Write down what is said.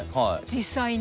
実際に。